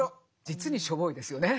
実にしょぼいですよね。